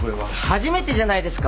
初めてじゃないですか。